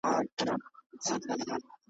چي هر چا د سرو او سپینو پیمانې دي درلودلي .